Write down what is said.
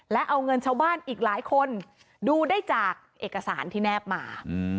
และเอาเงินชาวบ้านอีกหลายคนดูได้จากเอกสารที่แนบมา